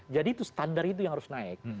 jadi itu standar itu yang harus naik